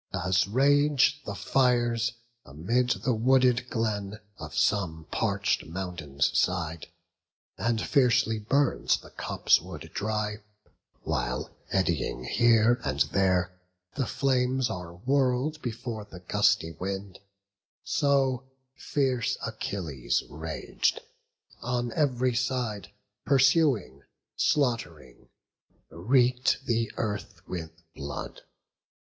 As rage the fires amid the wooded glen Of some parch'd mountain's side, and fiercely burns The copse wood dry, while eddying here and there The flames are whirl'd before the gusty wind; So fierce Achilles raged, on ev'ry side Pursuing, slaught'ring; reek'd the earth with blood.